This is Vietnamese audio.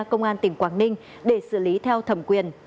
công an tỉnh quảng ninh để xử lý theo thẩm quyền